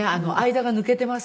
間が抜けていますから。